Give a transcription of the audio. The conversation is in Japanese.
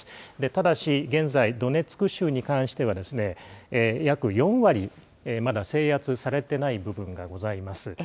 ただし、現在、ドネツク州に関しては、約４割、まだ制圧されてない部分がございます。